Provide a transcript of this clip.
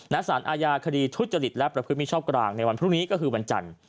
และสารอาญาคดีทุจริตและประพฤติมิชอบกลางในวันพรุ่งนี้ก็คือวันจันทร์